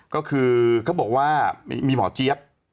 ก็คือเขาบอกว่ามีหมอเจี๊ยบ